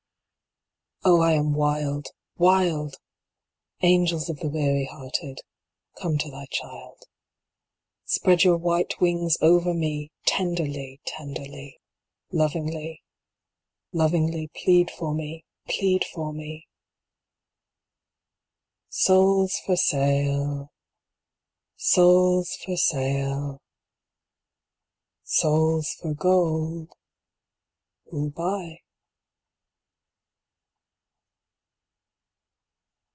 j I am wild wild ! Angels of the weary hearted, come to thy child. Spread your white wings over me ! Tenderly, tenderly, Lovingly, lovingly, Plead for me, plead for me I IL Souls for sale ! souls for sale ! Souls for gold ! who ll buy